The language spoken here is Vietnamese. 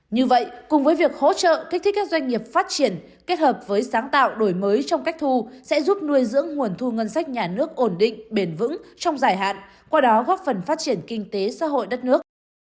như vậy cùng với việc hỗ trợ kích thích các doanh nghiệp phát triển kết hợp với sáng tạo đổi mới trong cách thu sẽ giúp nuôi dưỡng nguồn thu ngân sách nhà nước ổn định bền vững trong dài hạn qua đó góp phần phát triển kinh tế xã hội đất nước